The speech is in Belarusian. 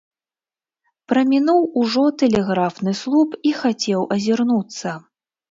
Прамінуў ужо тэлеграфны слуп і хацеў азірнуцца.